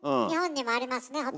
日本にもありますね。